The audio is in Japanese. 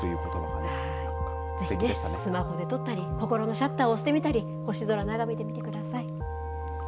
ぜひスマホで撮ったり、心のシャッターを押してみたり、星空、眺めてみてください。